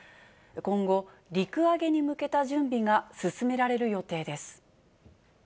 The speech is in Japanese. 今後、陸揚げに向けた準備が進められる予定です。